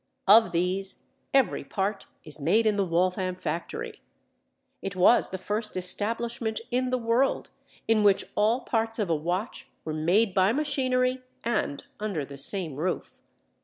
Of these every part is made in the Waltham factory. It was the first establishment in the world in which all parts of a watch were made by machinery and under the same roof.